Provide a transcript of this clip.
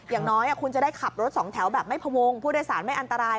อย่างน้อยคุณจะได้ขับรถสองแถวแบบไม่พวงผู้โดยสารไม่อันตราย